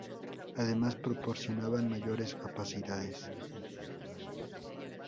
Además proporcionaban mayores capacidades.